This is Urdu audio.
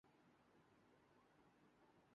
کس نے کہا کہ اس کو غزل میں سجا لا